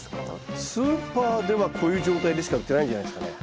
スーパーではこういう状態でしか売ってないんじゃないですかね。